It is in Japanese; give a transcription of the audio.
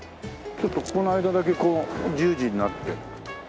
ちょっとここの間だけこう十字になって。